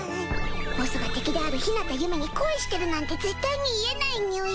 ボスが敵である日向ゆめに恋してるなんて絶対に言えないにゅい